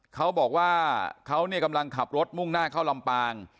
เขาบอกว่าเขากำลังขับรถมุ่งหน้าเข้าลำปาง